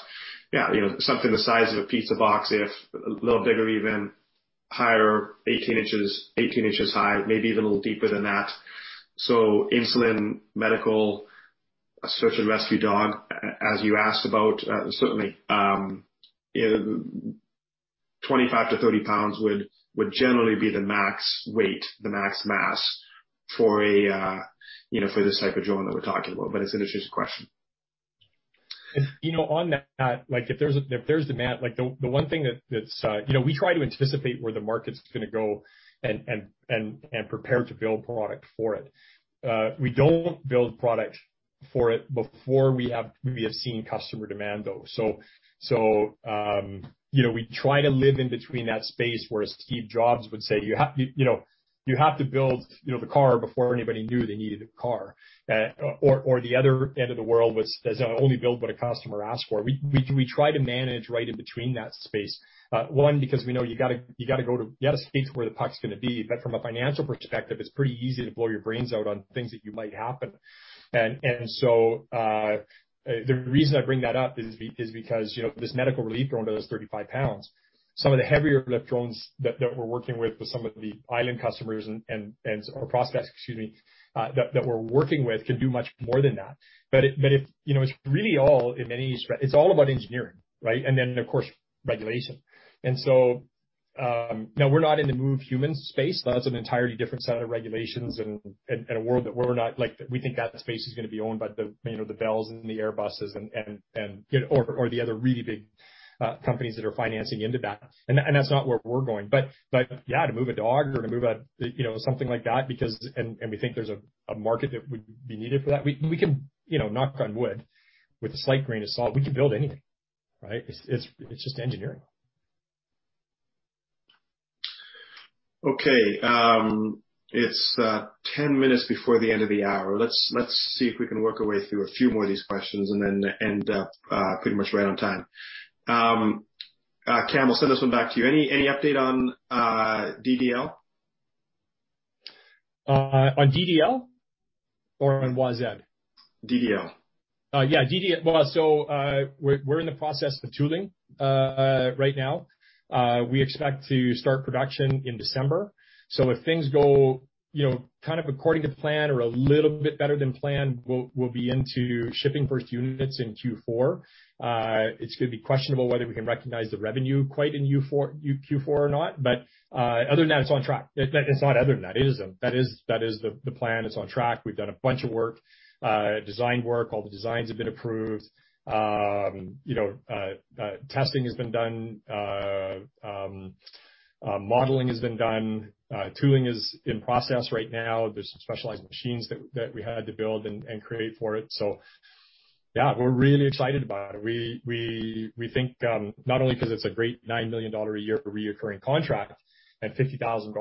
yeah, you know, something the size of a pizza box, if a little bigger, even higher, 18 inches, 18 inches high, maybe even a little deeper than that. So insulin, medical, a search and rescue dog, as you asked about, certainly, you know, 25-30 pounds would, would generally be the max weight, the max mass, for a, you know, for this type of drone that we're talking about, but it's an interesting question. You know, on that, like, if there's demand, like, the one thing that's... You know, we try to anticipate where the market's gonna go and prepare to build product for it. We don't build product for it before we have seen customer demand, though. So, you know, we try to live in between that space, where Steve Jobs would say, "You know, you have to build, you know, the car before anybody knew they needed a car." Or the other end of the world, which is only build what a customer asks for. We try to manage right in between that space. One, because we know you gotta go to... You gotta skate where the puck's gonna be, but from a financial perspective, it's pretty easy to blow your brains out on things that you might happen. And so, the reason I bring that up is because, you know, this medical relief drone that is 35 pounds, some of the heavier lift drones that we're working with some of the island customers and, or prospects, excuse me, that we're working with, can do much more than that. But if, you know, it's really all in many. It's all about engineering, right? And then, of course, regulation. And so, now we're not in the move human space. That's an entirely different set of regulations and a world that we're not—like, we think that space is gonna be owned by the, you know, the Bells and the Airbuses and, you know, or the other really big companies that are financing into that. And that's not where we're going. But yeah, to move a dog or to move a, you know, something like that, because we think there's a market that would be needed for that, we can, you know, knock on wood, with a slight grain of salt, we can build anything, right? It's just engineering. Okay, it's 10 minutes before the end of the hour. Let's see if we can work our way through a few more of these questions and then end up pretty much right on time. Cam, I'll send this one back to you. Any update on DDL? on DDL or on Woz ED? DDL. Yeah, DDL. Well, so, we're in the process for tooling right now. We expect to start production in December. So if things go, you know, kind of according to plan or a little bit better than planned, we'll be into shipping first units in Q4. It's gonna be questionable whether we can recognize the revenue quite in Q4 or not, but other than that, it's on track. It's not other than that, it is, that is the plan. It's on track. We've done a bunch of work, design work. All the designs have been approved. You know, testing has been done. Modeling has been done. Tooling is in process right now. There's some specialized machines that we had to build and create for it. So yeah, we're really excited about it. We think not only because it's a great $9 million a year recurring contract and 50,000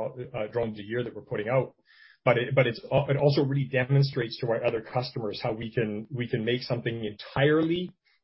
drones a year that we're putting out, but it's also really demonstrates to our other customers how we can make something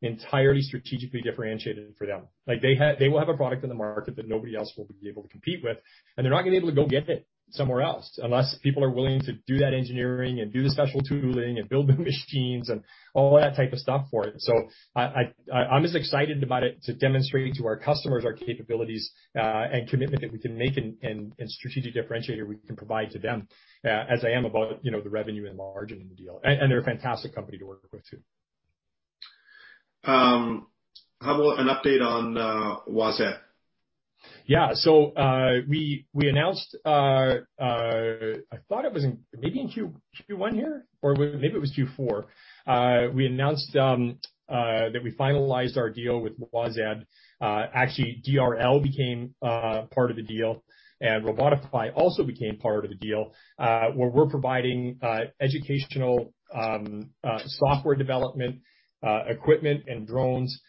entirely strategically differentiated for them. Like, they will have a product in the market that nobody else will be able to compete with, and they're not gonna be able to go get it somewhere else, unless people are willing to do that engineering and do the special tooling and build the machines and all that type of stuff for it. So I'm as excited about it to demonstrate to our customers our capabilities, and commitment that we can make and strategic differentiator we can provide to them, as I am about, you know, the revenue and the margin in the deal. And they're a fantastic company to work with, too. How about an update on Woz ED? Yeah. So, we announced. I thought it was maybe in Q1 here, or maybe it was Q4. We announced that we finalized our deal with Woz ED. Actually, DRL became part of the deal, and Robotify also became part of the deal, where we're providing educational software development equipment and drones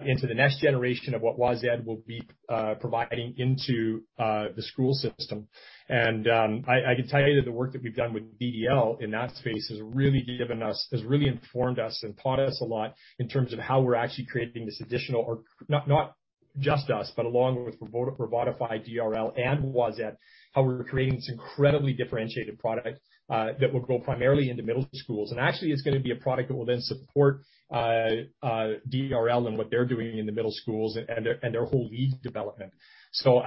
into the next generation of what Woz ED will be providing into the school system. And, I can tell you that the work that we've done with DRL in that space has really informed us and taught us a lot in terms of how we're actually creating this additional or not, not just us, but along with Robotify, DRL, and Woz ED, how we're creating this incredibly differentiated product that will go primarily into middle schools. And actually, it's gonna be a product that will then support DRL and what they're doing in the middle schools and their whole league development. So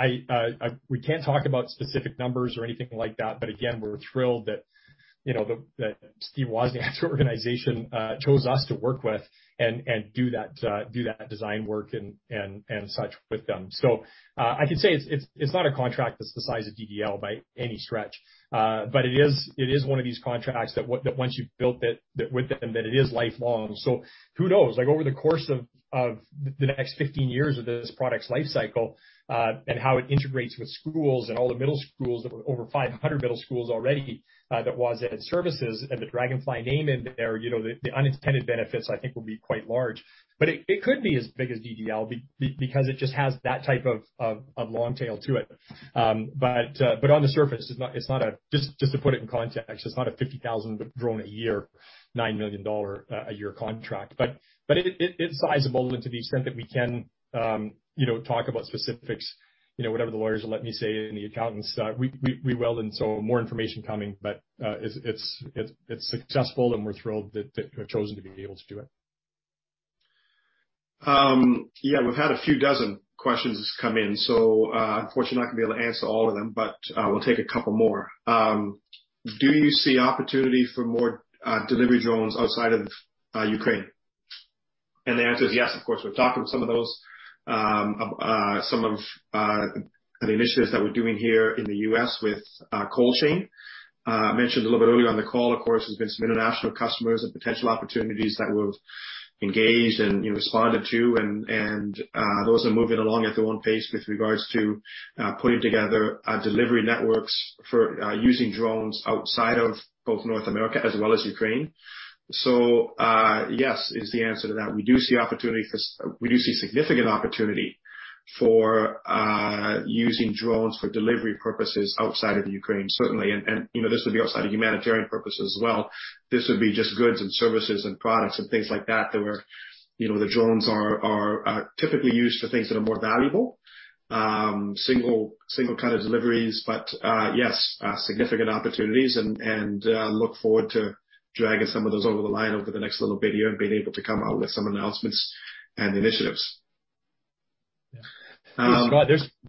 we can't talk about specific numbers or anything like that, but again, we're thrilled that, you know, Steve Wozniak's organization chose us to work with and such with them. So, I can say it's not a contract that's the size of DRL by any stretch, but it is one of these contracts that once you've built it, that with them, that it is lifelong. So who knows? Like, over the course of the next 15 years of this product's life cycle, and how it integrates with schools and all the middle schools, over 500 middle schools already, that Woz ED services and the Draganfly name in there, you know, the unintended benefits, I think, will be quite large. But it could be as big as DRL because it just has that type of long tail to it. But, but on the surface, it's not just, just to put it in context, it's not a 50,000-drone-a-year, $9 million-a-year contract, but it, it's sizable. And to the extent that we can, you know, talk about specifics, you know, whatever the lawyers will let me say, and the accountants, we will, and so more information coming, but it's successful, and we're thrilled that we're chosen to be able to do it. Yeah, we've had a few dozen questions come in, so, unfortunately, I'm not gonna be able to answer all of them, but, we'll take a couple more. Do you see opportunity for more delivery drones outside of Ukraine? And the answer is yes, of course. We've talked about some of those, some of the initiatives that we're doing here in the U.S. with Cold Chain. I mentioned a little bit earlier on the call, of course, there's been some international customers and potential opportunities that we've engaged and, you know, responded to, and, those are moving along at their own pace with regards to putting together delivery networks for using drones outside of both North America as well as Ukraine. So, yes is the answer to that. We do see significant opportunity for using drones for delivery purposes outside of Ukraine, certainly, and, you know, this would be outside of humanitarian purposes as well. This would be just goods and services and products and things like that, where, you know, the drones are typically used for things that are more valuable, single kind of deliveries. But yes, significant opportunities and look forward to dragging some of those over the line over the next little bit here and being able to come out with some announcements and initiatives. Yeah. Um-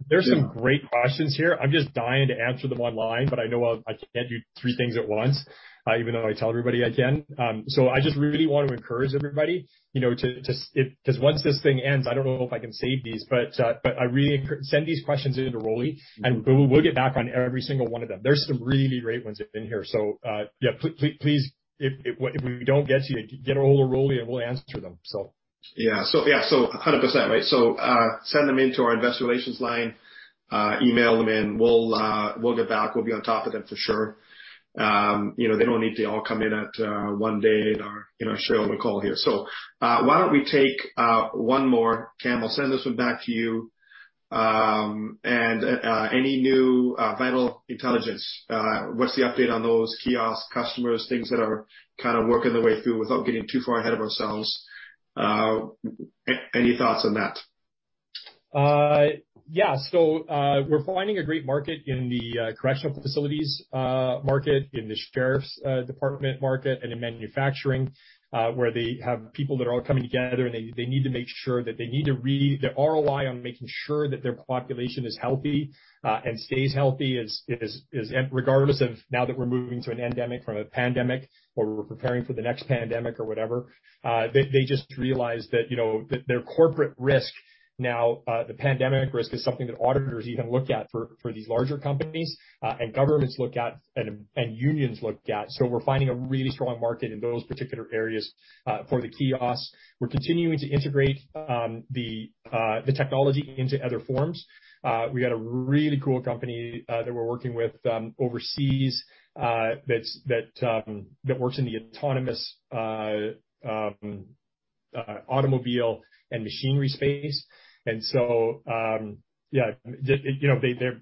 There's some great questions here. I'm just dying to answer them online, but I know I can't do three things at once, even though I tell everybody I can. So I just really want to encourage everybody, you know, to send these questions into Rolly because once this thing ends, I don't know if I can save these, but we'll get back on every single one of them. There's some really great ones in here, so yeah, please, if we don't get to you, get a hold of Rolly, and we'll answer them. Yeah. So, yeah, so 100%, right? So, send them into our investor relations line, email them in. We'll get back. We'll be on top of them for sure. You know, they don't need to all come in at one day or, you know, show on the call here. So, why don't we take one more? Cam, I'll send this one back to you. And any new Vital Intelligence, what's the update on those kiosks, customers, things that are kind of working their way through without getting too far ahead of ourselves, any thoughts on that? Yeah, so, we're finding a great market in the correctional facilities market, in the sheriff's department market, and in manufacturing, where they have people that are all coming together, and they need to make sure that the ROI on making sure that their population is healthy and stays healthy is, and regardless of now that we're moving to an endemic from a pandemic, or we're preparing for the next pandemic or whatever, they just realize that, you know, that their corporate risk now, the pandemic risk is something that auditors even look at for these larger companies, and governments look at, and unions look at. So we're finding a really strong market in those particular areas for the kiosks. We're continuing to integrate the technology into other forms. We've got a really cool company that we're working with overseas that works in the autonomous automobile and machinery space. And so you know, they're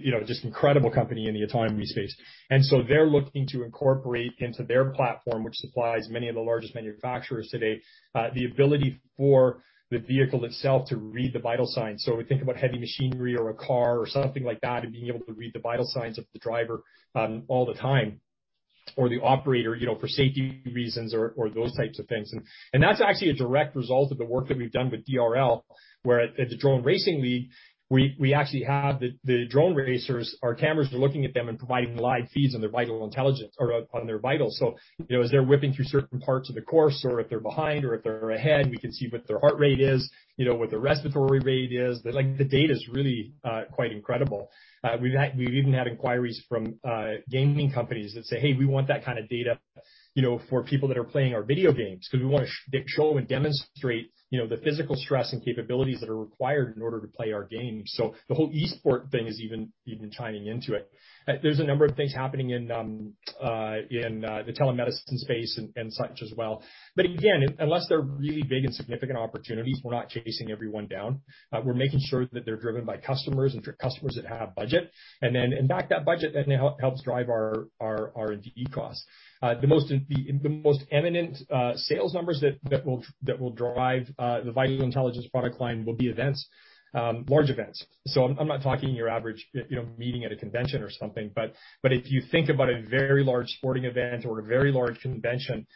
you know, just incredible company in the autonomy space. And so they're looking to incorporate into their platform, which supplies many of the largest manufacturers today the ability for the vehicle itself to read the vital signs. So we think about heavy machinery or a car or something like that, and being able to read the vital signs of the driver all the time, or the operator, you know, for safety reasons or those types of things. And that's actually a direct result of the work that we've done with DRL, where at the Drone Racing League, we actually have the drone racers, our cameras are looking at them and providing live feeds on their vital intelligence or on their vitals. So, you know, as they're whipping through certain parts of the course, or if they're behind or if they're ahead, we can see what their heart rate is, you know, what their respiratory rate is. Like, the data is really quite incredible. We've even had inquiries from gaming companies that say, "Hey, we want that kind of data, you know, for people that are playing our video games, because we wanna show and demonstrate, you know, the physical stress and capabilities that are required in order to play our games." So the whole e-sport thing is even chiming into it. There's a number of things happening in the telemedicine space and such as well. But again, unless they're really big and significant opportunities, we're not chasing everyone down. We're making sure that they're driven by customers, and customers that have budget. And then in fact, that budget then helps drive our R&D costs. The most eminent sales numbers that will drive the Vital Intelligence product line will be events, large events. So I'm not talking your average, you know, meeting at a convention or something, but if you think about a very large sporting event or a very large convention,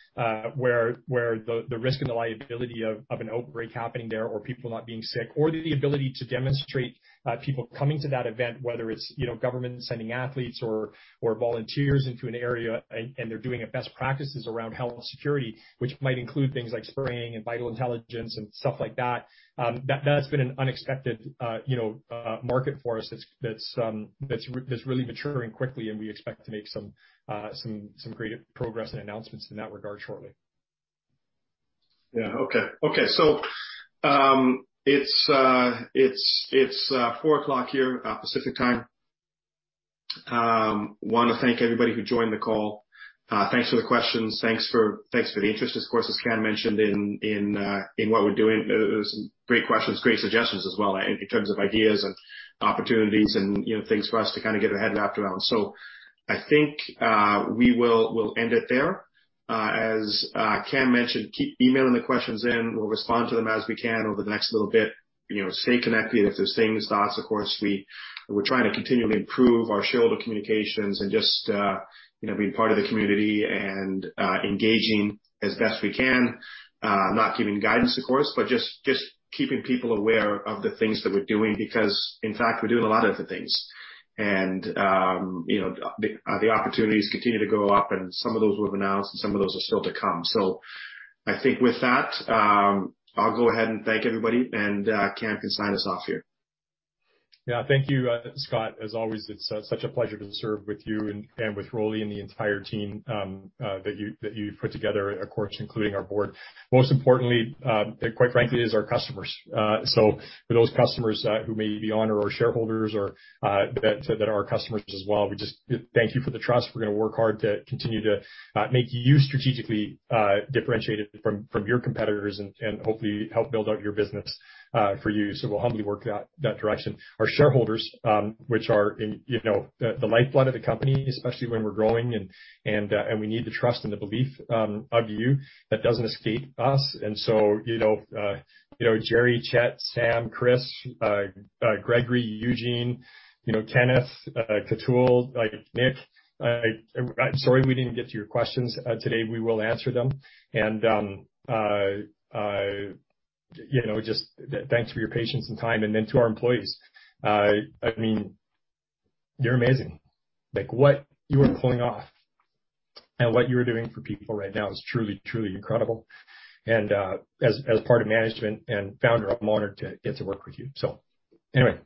where the risk and the liability of an outbreak happening there or people not being sick, or the ability to demonstrate people coming to that event, whether it's, you know, governments sending athletes or volunteers into an area, and they're doing a best practices around health and security, which might include things like spraying and Vital Intelligence and stuff like that, that's been an unexpected, you know, market for us that's really maturing quickly, and we expect to make some great progress and announcements in that regard shortly. Yeah. Okay. Okay, so, it's 4:00 P.M. here, Pacific Time. Wanna thank everybody who joined the call. Thanks for the questions. Thanks for the interest, of course, as Cam mentioned in what we're doing. There's some great questions, great suggestions as well in terms of ideas and opportunities and, you know, things for us to kind of get our head wrapped around. So I think, we will, we'll end it there. As Cam mentioned, keep emailing the questions in. We'll respond to them as we can over the next little bit. You know, stay connected. If there's things, thoughts, of course, we're trying to continually improve our shareholder communications and just, you know, being part of the community and engaging as best we can. Not giving guidance, of course, but just, just keeping people aware of the things that we're doing, because, in fact, we're doing a lot of the things. And, you know, the opportunities continue to go up, and some of those we've announced, and some of those are still to come. So I think with that, I'll go ahead and thank everybody, and Cam can sign us off here. Yeah. Thank you, Scott. As always, it's such a pleasure to serve with you and with Rolly and the entire team that you've put together, of course, including our board. Most importantly, quite frankly, is our customers. So for those customers who may be on or our shareholders or that are our customers as well, we just thank you for the trust. We're gonna work hard to continue to make you strategically differentiated from your competitors and hopefully help build out your business for you. So we'll humbly work that direction. Our shareholders, which are in, you know, the lifeblood of the company, especially when we're growing, and we need the trust and the belief of you. That doesn't escape us. And so, you know, you know, Jerry, Chet, Sam, Chris, Gregory, Eugene, you know, Kenneth, Katul, Nick, I'm sorry we didn't get to your questions today. We will answer them. And, you know, just thanks for your patience and time, and then to our employees. I mean, you're amazing. Like, what you are pulling off and what you are doing for people right now is truly, truly incredible. And, as part of management and founder, I'm honored to get to work with you. So anyway,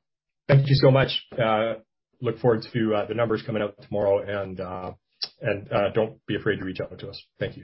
thank you so much. Look forward to the numbers coming out tomorrow and don't be afraid to reach out to us. Thank you.